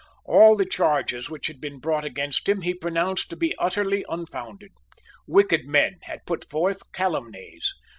All the charges which had been brought against him he pronounced to be utterly unfounded. Wicked men had put forth calumnies.